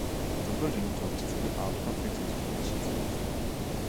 The Belgian authorities put out conflicting explanations for his death.